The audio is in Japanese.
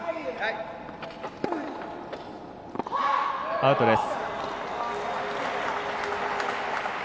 アウトです。